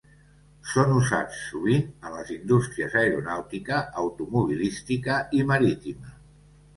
Són usats sovint en les indústries aeronàutica, automobilística i marítima.